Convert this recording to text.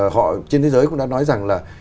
họ trên thế giới cũng đã nói rằng là